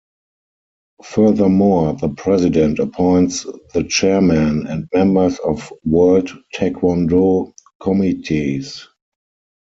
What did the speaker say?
Furthermore, the President appoints the chairmen and members of World Taekwondo Committees.